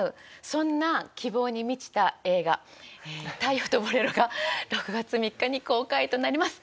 そんな希望に満ちた映画『太陽とボレロ』が６月３日に公開となります。